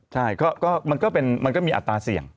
ใช่มันก็มีอัตราเสี่ยง